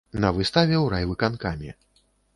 На выставе ў райвыканкаме.